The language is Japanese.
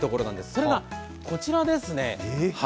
それがこちらですね。